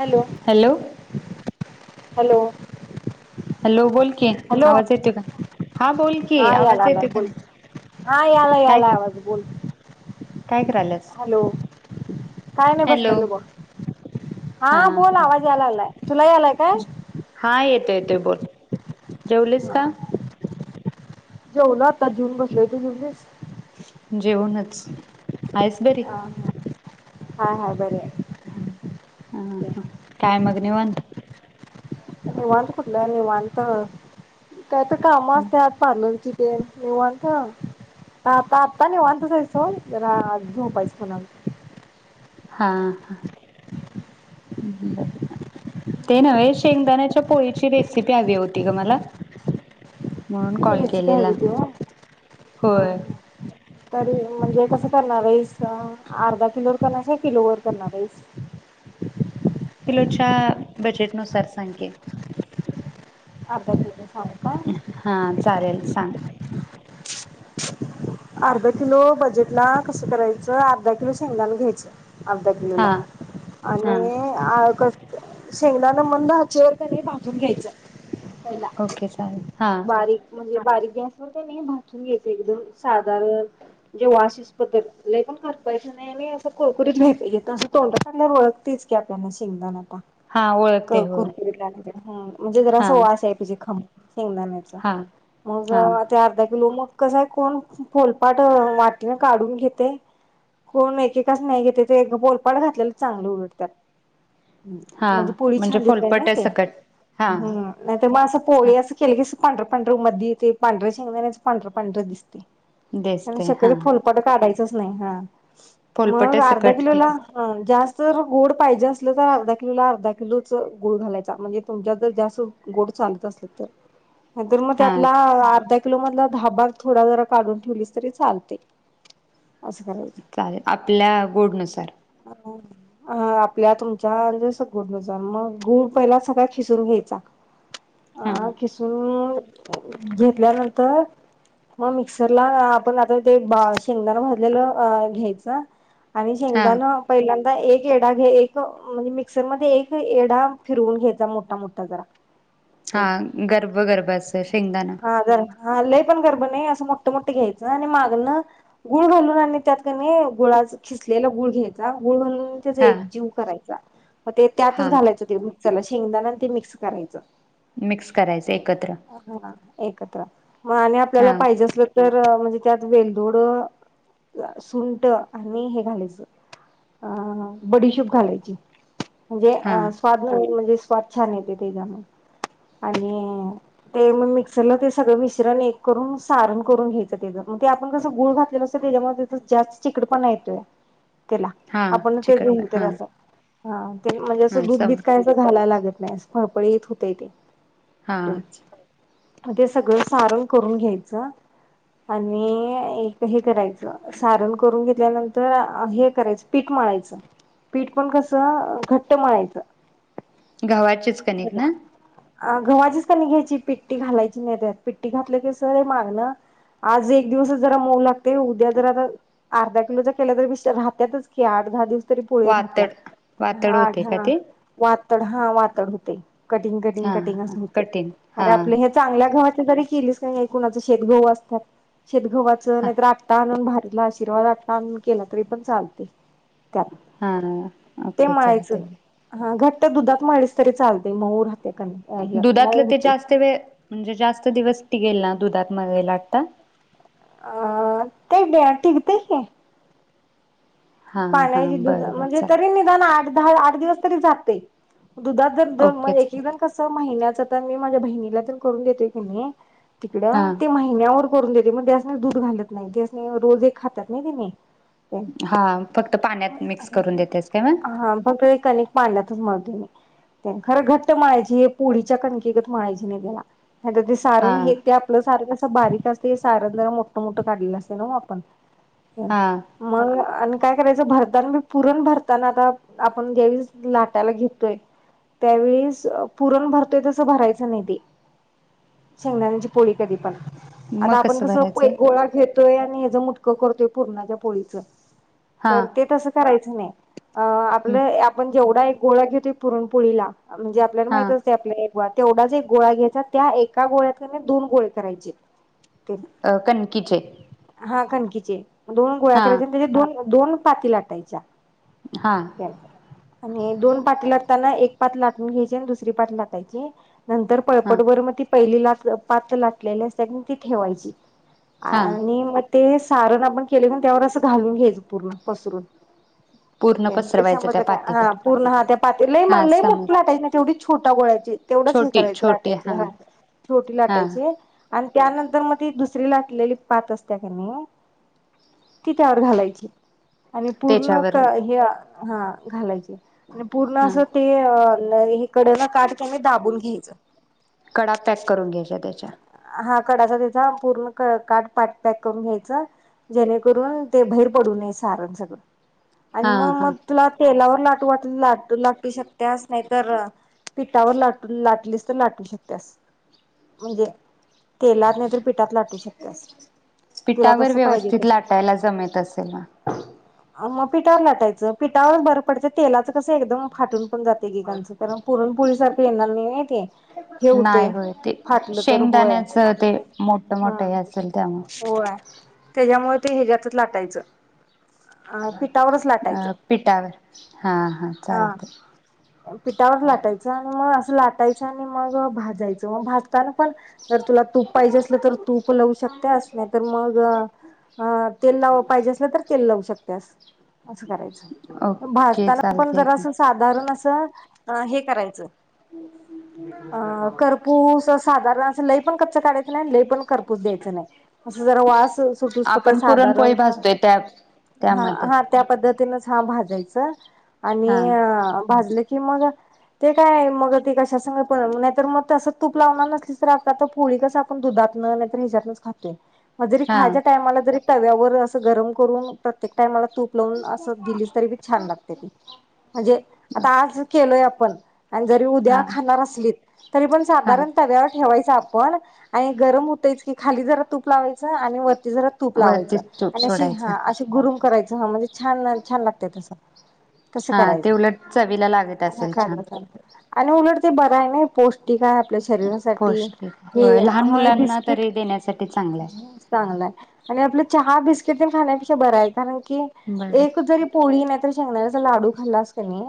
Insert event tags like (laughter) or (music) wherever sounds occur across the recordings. Hello hello. Hello! बोल की, hello आवाज हा येतो का? हा बोल की, याला आवाज आला येतो का बोल नाही? हा याला काय याला आवाज, बोल. काय करायल्यास हॅलो काय नाही हॅलो बसलेय बग. हा बोल आवाज याला लागलाय, तुला आलाय काय? हा येतो येतोय बोल, जेवलेस हा का? जेवलो आता जेऊन बसलेय, तू जेवलीस? जेवणच. ह हा हाय हाय बरिय. ह काय मग निवांत? निवांत कुठलं निवांत कायतर कामच असत्यात. पार्लरची डेट निवांत. आता आताने निवांत जायचं झोपायच जरा झोपायचं म्हणून. हा हा बर. ते नव्हे शेंगदाण्याच्या पोळीची रेसिपी हवी होती ग मला. म्हणून कॉल रेसिपी केलेला. हवी होती ओ होय. हा तरी म्हणजे कसं करणार आहेस? अर्धा किलोवर करणार आहेस की किलो वर करणार आहेस? किलोच्या बजेट नुसार सांग की. अर्धा किलो सांगू काय? हा चालेल सांग. अर्धा किलो बजेटला कसं करायचं अर्धा किलो शेंगदान घ्यायचं. अर्धा किलोला हा हा आणि कस शेंगदाणा मंद आचेवर कणी भाजून घ्यायचं पहिला ओके चालेल हा.. बारीक म्हणजे बारीक गॅसवर तरी भाजून घ्यायचं आहे तरी साधारण जेव्हा अशिस पद्धत लय पण करपायच नाही. नेहमी असं कुरकुरीत व्हायला पाहिजे, असं तोंडांला टाकल्यावर ओळखतेच की आपल्याला शेंगदाणा हा क ओळखते होय कुरकुरीतला म्हणजे हा जरासा वास यायला पाहिजे खमंग शेंगदाणा हा मग हा ते अर्धा किलो मग कसंय कोण फोलपाट वाटीने काढून घेते कोण एकेकाच नाही घेते ते पोलपाड घातलेलं चांगले उलडतात हा म्हणजे पोळी म्हणजे छान दिसली ना, फोलपट्या सकट हा नाही तर मग अस पोळी अस केलं की पांढरा पांढर मध्ये ते पांढर शेंगदाणाचं पांढर पांढर दिसते आणि दिसते हा शक्यतो फुलपाट काढायच नाही हा.. फोलपट्या मग अर्धा सकट किलो हे ला ह जास्त गोड पाहिजे असलं तर अर्धा किलोला अर्धा किलोच गुळ घालायचा म्हणजे तुमच्यात जर जास्त गोड चालत असल तर नाहीतर मग हा त्यातला अर्धा लो मधला धाबा थोडा जरा काढून ठेवलीस तरी चालते असं करायचं चालेल आपल्या गोडनुसार (unintelligible) हा आपल्या तुमच्या जस गोडनुसार गुड पहिला सगळ खिसडून घ्यायचा हा.. अ खिसून घेतल्यानंतर मग मिक्सरला आपण आता ते बा शेंगदानं भाजलेलं घ्यायच आणि हा शेंगदान पहिल्यांदा एक येडा घे. एक म्हणजे मिक्सर मध्ये एक येडा फिरवून घ्यायचा मोठा मोठा जरा ते हा गर्भ गर्भ अस शेंगदाना. ह जरा ह लय पण गरब नाही. असं मोठं मोठ घ्यायचं आणि मागण गुळ घालून आणि त्यात कणी गुळाचं खिसलेला गुळ घ्यायचा. गुळ घालून त्याचा हा एक जीव करायचा. मग ते त्यातच हा घालायचं ते मिक्सरला शेंगदान आणि ते मिक्स करायचं. मिक्स करायचं ते एकत्र. हा एकत्र मग आणि हा आपल्याला पाहिजे असल तर म्हणजे त्यात वेलदोड, सुंट आणि हे घालायचं. अ बडीशोप घालायची. म्हणजे हा अ स्वाद म्हणजे स्वाद छान येते तेज्याने आणि ते मग मिक्सरला ते सगळं मिश्रण एक करून सारण करून घ्यायचं त्याच. मग ते आपण कसं गुळ घातलेलं असतोय त्याच्यामूळ ते जास्त चिकडपणा येतय. (inaudible) त्याला हा आपण चिकट पण हा असा. हा ते म्हणजे असं हा दूध सम बीद काय असं घालायला लागत नाही. फळपळीत होतय ते. हा ते सगळं सारण करून घ्यायचं. आणि एक हे करायचं सारण करून घेतल्यानंतर हे करायचं पीठ माळायचं. पीठ पण कसं घट्ट मळायचं. गव्हाचेच कनिक ना? अ गव्हाचीच कनिक घ्यायची. पिट्टी घालायची नाही त्यात, पिट्टी घातल की कसं मागण आज एक दिवसच जरा मऊ लागते. उद्या जरा अर्धा किलोचा केल्या तर नुसत राहत्यातच त्या की आठ दहा दिवस तर पुळी राहत्या. वातड वातड हा आठ होते का दिवस. ते वातड हा वातड होते कटिंग कटिंग हा कटिंग हा असं होते. कठीण अरे हा आपले हे चांगल्या गव्हाच्या जरी केलीस की नाही. कुणाच शेतगहू असत्यात शेतगव्हाचं. हा नाहीतर आटा आणून घातला आशीर्वाद आटा आणून केला तरी पण चालते. त्यात हा ते ओके मळायचं. चालते हा घट्ट दुधात मळलीस तरी चालते मऊ राहते कनीक. दुधातलं ते जास्त वेळ म्हणजे जास्त दिवस टिकेल ना. दुधात मग न लाटता. अ तेल्या टिगते की. हा हा पाण्याची दुध बरं बर म्हणजे चालत तरी मी निदान आठ- दहा, आठ दिवस तरी जातय. दुधात जर द म ओकेच एक एक जण कस च महिन्याच तर मी माझ्या बहिणीला तेन करून देतोय कणी हा तिकडं महिन्यावर करून देते म त्यासनी दूध घालत नाही. त्यासनी रोज खातात नाही तेनीं. हा फक्त पाण्यात मिक्स करून देतेस काय मग? हा. फक कणिक पाण्यातनच मळतो मी. खरं, घट्ट मळायच हे पोळीच्या कणकीगत मळायची नाही त्याला नाहीतर ते हा तारण हे ते आपलं सारण कस बारीक असते हे. सारण जरा मोठ मोठं काढलेलं असतं ना आपण. हा. मग आणि काय करायचं, भरतान मी पुरण भरताना आता आपण ज्यावेळीस लाटायला घेतोय. त्यावेस पुरण भरतोय तसं भरायचं नाही ते, शेंगदाण्याची पोळी कधी पण. आता मग आपण कसं, भरायचं एक गोळा घेत य आणि हेचं मुटकं करतोय पूर्णाच्या पोळीचं हा तर ते तसं करायचं नाही. अ हम्म आपलं आपण जेवढा एक गोळा घेतोय पुरणपोळीला, म्हणजे आपल्याला माहित अस हा (unintelligible) तेवढाच एक गोळा घ्यायचा, त्या एका गोळ्यात की नाही दोन गोळे करायचे. ते अ कणकीचे. हा, कणकीचे. दोन गोळ्या हा करायचे आणि त्याच्या दोन, दोन पाती लाटायच्या. हा. तर आणि दोन पाती लाटताना, एक पात लाटून घ्यायची आणि दुसरी पात लाटायची. नंतर हा पळपटभर मग ती पहिली ला पात लाटलेली असते ती ठेवायची. हा आणि मग ते सारण आपण केले, म्ह त्यावर असं घालून घ्यायचं पूर्ण पसरून. पूर्ण ते पसरवायचं त्या समजलं, हा. पातीवर पूर्ण हा, त्या पात लय म हा लय समज मोठी लाटायची नाही. तेवढी छोटा गोळायची, तेवढंच हे छोटी करायचे छोटी लाटायचे. हा छोटी हा लाटायची आणि त्यानंतर मग, ती दुसरी लाटलेली पात असत्या कणी ती त्यावर घालायची. आणि पूर्ण त्याच्यावर का हे हा घालायचे आणि पूर्ण हा असं ते हे कडनं काट कनी दाबून घ्यायचं. कडा पॅक करून घ्यायच्या त्याच्या. हा कडाचा त्याचा पूर्ण क काठ पात पॅक करून घ्यायचं जेणेकरून ते बाहेर पडू नये सारण सगळं आणि हा म हा मग तुला तेलावर लाटू वाटलं, लाट लाटू शकतेयस. नाही तर पिठावर लाटून लाटलीस, तर लाटू शकतेस. म्हणजे तेलात नाही तर पिठात लाटू शकत्यास. तुला पीठावर कसं पाहिजे व्यवस्थित, तसं लाटायला जमत असेल ना. मग पिठावर लाटायचं. पिठावर बरं पडतंय, तेलाचं कसं एकदम फाटून- पण जाते एकएकांचं. कारण पुरणपोळी सारखं येणार नाही न ते हे होतंय. नाही होय ते फाटलं तर होय. शेंगदाण्याचं ते मोठं मोठं हम. हे असेल त्यामुळे होय. त्याच्यामुळे ते ह्याच्यातच लाटायचं. अ पिठावरच अ लाटायचं पिठावर हा, हा, चालते. पिठावर लाटायचं आणि, मग असं लाटायचं आणि मग भाजायचं मग भाज भाजताना पण जर तुला, तूप पाहिजे असलं तर तूप लावू शकत्यास. नाही तर मग अ तेल लाव पाहिजे असलं, तर तेल लावू शकत्यास. असं करायचं. ओके भाजताना पण चालते जर असंच साधारण असं, हे करायचं. अ.. करपूस असं साधारण असं लई पण कच्चं काढयचं नाही, लई पण करपूच द्यायच नाही. असं जरा वास सुटूस पर्यंत साधारण डॅब हा! हा! त्या पद्धतीनंच हा भाजायचं आणि हा भाजलं की मग ते काय मग ते कशा संग पण, नाही तर मग तसं तूप लावणार नसलीस तर आता आता पोळी कसं आपण दुधातनं नाही तर हेच्यातनंच खातो. मग जरी हा खायच्या टाईम आला जरी तव्यावर असं गरम करून, प्रत्येक टाइमाला तूप लावून असंच दिलीच तरी बी छान लागते. म्हणजे, आता आजच केलोय आपण आणि जरी उद्या हा खाणार असलीत. तरी पण हा साधारण तव्यावर ठेवायचं आपण आणि गरम होतयंच की. खाली जरा तुप धावायचं आणी वरती जरा तुप लावायच वरतीच तूप आमी अशी सोडायचं हं अशी गुरुम करायचं ह म्हणजे. छान छान लागते तसं. तस हा ते करायचं, उलट चवीला लागत (inaudible) असेल छान कलं चाल्तं आणि उलट ते बराय ना पोस् टीकाय आपल्या शरीरासाठी, पौष्टिक हे होय लहान हं मुलांना बिस्किट तरी देण्यासाठी चांगलं चांगलाय आणि आपलं चहा बिस्किट तेन खाण्यापेक्षा बराय कारण की आहे बरं एक जरी पोळी नाई तर शेंगदाण्याचा लाडू खाल्लास क नी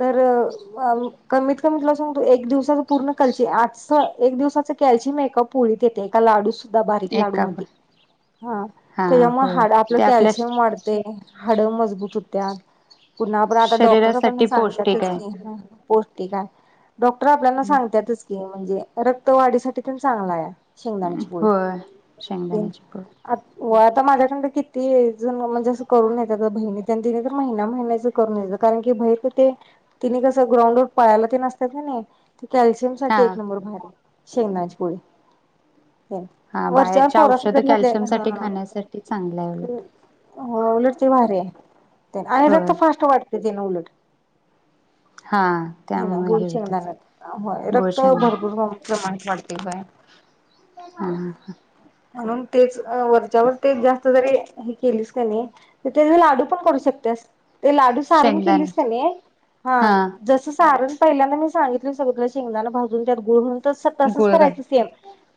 तर अं कमीत कमी तुला सांगतो एक दिवसाच पूर्ण कल्ची आजच एक दिवसाच कॅल्चीम् एका पोळीत् येते एका लाडूत सुद्धा बारीक एक लाडू काप मधे हं हा त्याच्यामुळं होय हाड आपल ते आपल्या परते हाड मजबूत होत्या. पुन्हा आपण आता डॉक्टराकडनं शरीरासाठी पौष्टिक सांगतातच आहे. की हं पौष्टिकाय. डॉक्टर आपल्याला हम्म. सांगत्यातच की म्हणजे, रक्त वाढीसाठी पण चांगलाया. शेंगदाण्याची पोळी, होय तीन् शेंगदाण्याची पोड आत् व आता माझ्याकडनं कित् ते ज म्हणजे असं करून येतं गं, बहिणी त्यांन दिनं तर महिना महिन्याचं करून यायचं कारण की भैर त ते तीनी कसं ग्रउंडवर पळायला ते नसतं क नी ते कॅल्शि् हा त्यानसाठी एक नंबर भारी शेंगनाची पोळी. हा वरच्यावर बाहेरच्या औषध पोरासनी जर कॅल्शियम (inaudible) हा. साठी चांगलाय ओ. हो उलट ते भारीय. आय रक्त होय. फास्ट वाढते त्यानं उलट. हा हे नं त्यामुळे गुड होत शेंगदानान, असेल होय गुळ रक्त शेंगदा भरपूर वा प्रमाणात वाडते होय. हम हम ह. म्हणून, तेच अं वरच्यावर तेच जास्त जरी हे केलीस का नी म त्याचे लाडू पण करू शकतेस. ते लाडू सारण शेंगदाणे केलीस का नी, हा जसं सारण पयल्यांदा मी सांगितलं सगळ शेंगदानं भाजून त्यात गुळ हुन त स तसंच गुळ घाल करायचं सेम.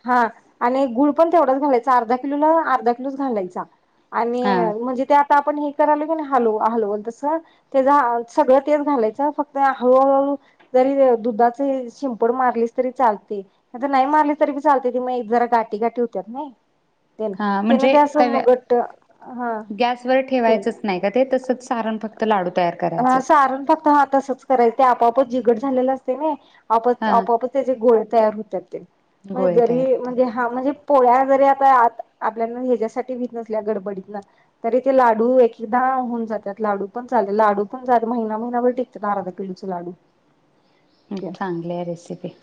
हा आणि गुळ पण तेवढाच घालायचा अर्धा किलोला अर्धा किलोच घालायचा. आणि, हा म्हणजे ते आता आपण हे करालो की नी हलव हलवुन तसं त्याचा सगळं तेच घालायचं फक्त हळूहळू हळु जरी दुधाची शिंपड मारलीस तरी चालते. आता नई मारली तरी बी चालतंय ती म एक् जरा गाठी गाठी होत्यात नई तेण हा ते म्हणजे असं तव्या मग घट्ट हा गॅसवर ते ठेवायचचं नाई का ते तसचं सारण फक्त लाडू तयार करा हं सारण फक्त हं तसच करायचं ते आपोआपच जिगड झालेलं असतंय व्हय. आप हा आपोआपच त्याचे गोळे तयार होत्यात ते, म गोळे तयार जरी म्हणजे होतात हा म्हणजे पोळ्या जरी आता आत आपल्यानं ह्याच्यासाठी बीनसल्या गडबडीतनं तरी ते लाडू एकेकदा होऊन जातात लाडू पण चाले लाडू हुण जात महिना महिनाभर टिकत्यात अर्धा किलोचे लाडू. हुं चांगलीय रेसिपी.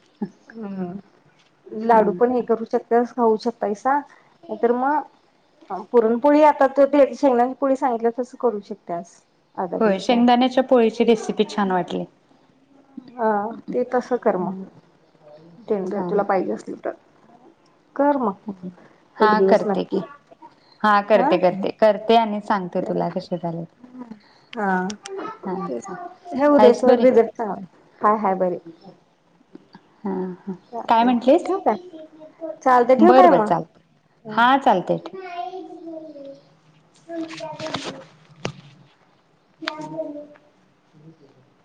हम्म लाडू पण हा. हे करू शकत्यास खाऊ शकतायसा नाई तर म अन् पुरणपोळी आता तू दे शेंगदाण्या् पुढे सांगितलीया तसं करू शकतीयास अर्धा होय किलोच् शेंगदाण्याच्या पोळीची रेसिपी छान वाटली. अं ते तसं कर मं डेंडर तुला पायजे चालतंय. असली तर. कर मग एक हा दिवस करते की नक्की. हा करते करते, करते आणि सांगते तुला कसे झाले त. हम. हां. हां हाइस बरी? रिझल्ट चांगला हाय हाय बरे हां हां. चालतंय ठेवू काय? चालतंय. बरं बरं चालतंय हां चालतंय ठे (inaudible) (inaudible)